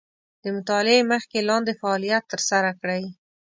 د مطالعې مخکې لاندې فعالیت تر سره کړئ.